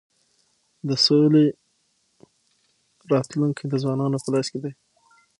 د سولی راتلونکی د ځوانانو په لاس کي دی.